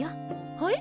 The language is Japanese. はい？